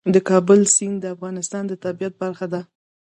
د کابل سیند د افغانستان د طبیعت برخه ده.